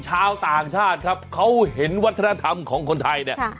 ชาวต่างชาติครับเขาเห็นวัฒนธรรมของคนไทยเนี่ย